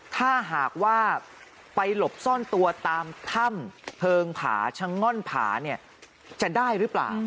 ถ้าหากว่าไปหลบซ่อนตัวตามถ้ำเพลิงผาชะง่อนผาเนี่ยจะได้หรือเปล่า